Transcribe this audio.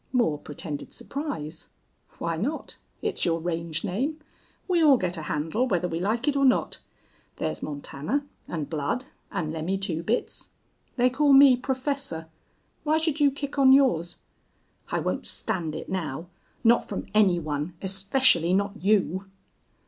Moore pretended surprise. "Why not? It's your range name. We all get a handle, whether we like it or not. There's Montana and Blud and Lemme Two Bits. They call me Professor. Why should you kick on yours?" "I won't stand it now. Not from any one especially not you."